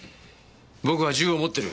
僕は銃を持ってる。